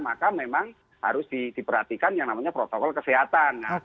maka memang harus diperhatikan yang namanya protokol kesehatan